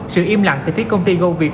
sự im lặng tại phía công ty goviet